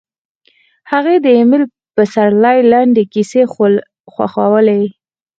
هغې د ایمل پسرلي لنډې کیسې خوښولې